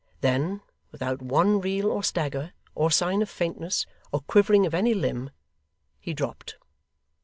Then, without one reel or stagger, or sign of faintness, or quivering of any limb, he dropped.